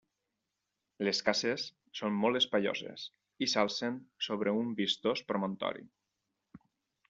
Les cases són molt espaioses i s'alcen sobre un vistós promontori.